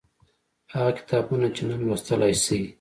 هغه کتابونه چې نن لوستلای شئ